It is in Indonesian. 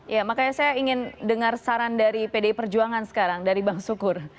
ya makanya saya ingin dengar saran dari pdi perjuangan sekarang dari bang sukur